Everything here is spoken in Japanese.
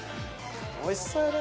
おいしそうやね。